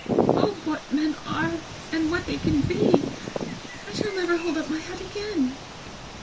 Oh what men are, and what they can be! I shall never hold up my head again!"